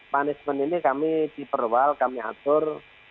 punishment ini kami diperwal kami atur